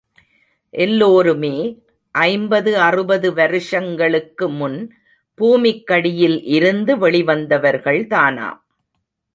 எல்லோருமே ஐம்பது அறுபது வருஷங்களுக்கு முன் பூமிக்கடியில் இருந்து வெளிவந்தவர்கள்தானாம்.